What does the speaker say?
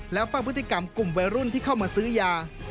แล้วเฝ้าพฤติกรรมกลุ่มวัยรุ่นที่เข้ามาซื้อยา